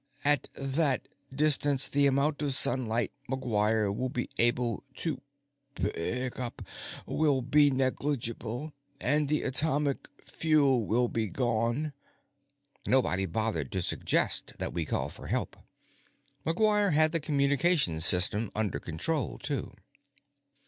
At that distance, the amount of sunlight McGuire will be able to pick up will be negligible, and the atomic fuel will be gone." Nobody bothered to suggest that we call for help. McGuire had the communications system under control, too.